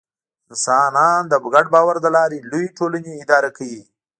انسانان د ګډ باور له لارې لویې ټولنې اداره کوي.